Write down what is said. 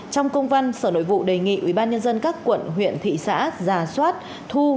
trong công văn sở nội vụ đề nghị ubnd các quận huyện thị xã giả soát thu